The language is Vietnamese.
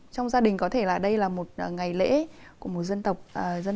trong gia đình có thể là đây là một ngày lễ của một dân tộc